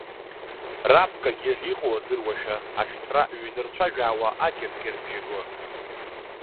Раԥкагьы иҟоу адыруашәа, аҽҭра ҩнырцәажәаауа акьыркьырбжьы гон.